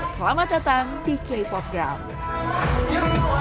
selamat datang di k pop ground